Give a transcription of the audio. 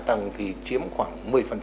hạ tầng thì chiếm khoảng một mươi